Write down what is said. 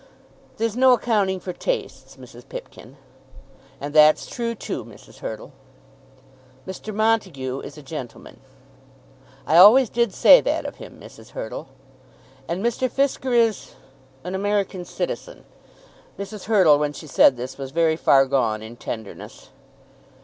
"There's no accounting for tastes, Mrs. Pipkin." "And that's true, too, Mrs. Hurtle." "Mr. Montague is a gentleman." "I always did say that of him, Mrs. Hurtle." "And Mr. Fisker is an American citizen." Mrs. Hurtle when she said this was very far gone in tenderness.